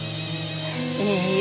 いいえ。